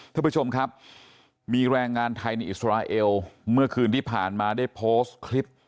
ท่านผู้ชมครับมีแรงงานไทยในอิสราเอลเมื่อคืนที่ผ่านมาได้โพสต์คลิป